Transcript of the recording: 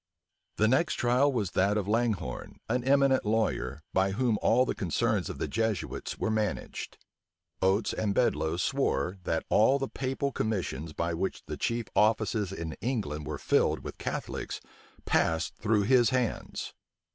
The next trial was that of Langhorne, an eminent lawyer, by whom all the concerns of the Jesuits were managed. Oates and Bedloe swore, that all the Papal commissions by which the chief offices in England were filled with Catholics, passed through his hands.